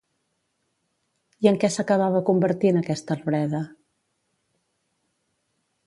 I en què s'acabava convertint aquesta arbreda?